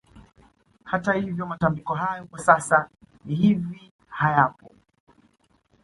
Hata hivyo matambiko hayo kwa sasa hivi hayapo